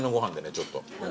ちょっと。